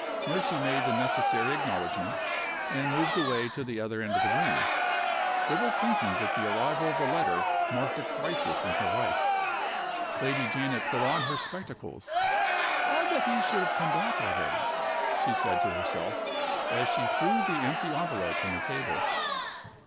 Mercy made the necessary acknowledgment, and moved away to the other end of the room, little thinking that the arrival of the letter marked a crisis in her life. Lady Janet put on her spectacles. "Odd that he should have come back already!" she said to herself, as she threw the empty envelope on the table.